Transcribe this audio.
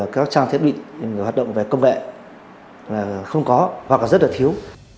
các trang thiết bị hoạt động về công vệ là không có hoặc là rất là thiếu